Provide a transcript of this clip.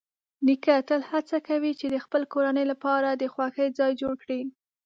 نیکه تل هڅه کوي چې د خپل کورنۍ لپاره د خوښۍ ځای جوړ کړي.